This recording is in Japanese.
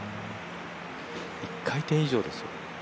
１回転以上ですよ。